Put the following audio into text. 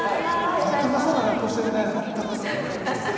あったかそうな格好してる！